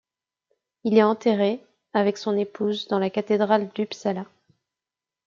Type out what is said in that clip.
Il est enterré, avec son épouse dans la cathédrale d'Uppsala.